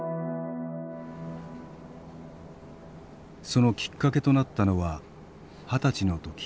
そのきっかけとなったのは二十歳の時。